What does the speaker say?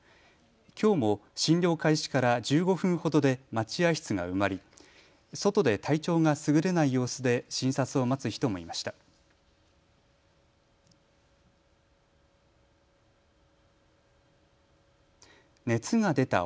きょうも診療開始から１５分ほどで待合室が埋まり外で体調がすぐれない様子で診察を待つ人もいました。